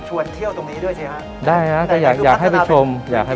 ชวนเที่ยวตรงนี้ด้วยใช่ไหมครับ